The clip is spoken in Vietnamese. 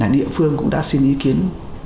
địa phương cũng đã xin ý kiến